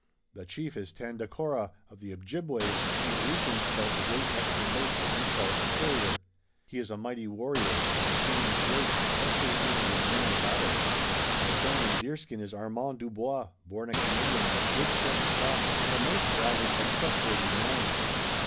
The chief is Tandakora of the Ojibways, from the region about the great western lake that you call Superior. He is a mighty warrior, and his fame is great, justly earned in many a battle. My friend in deerskin is Armand Dubois, born a Canadian of good French stock, and a most valiant and trustworthy man.